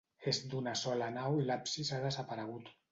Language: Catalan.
És d'una sola nau i l'absis ha desaparegut.